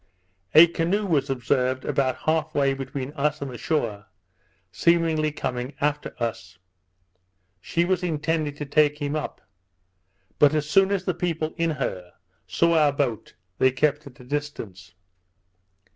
A canoe was observed about half way between us and the shore, seemingly coming after us. She was intended to take him up; but as soon as the people in her saw our boat, they kept at a distance.